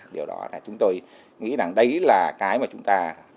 điều đó là chúng tôi nghĩ rằng đấy là cái mà chúng ta